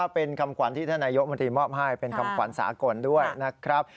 เป็นคำควรที่ธนายกมติมอบให้เป็นคำควรสากลด้วยนะครับ